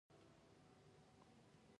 دا غوښتنه او طلب ډېر مهم دی.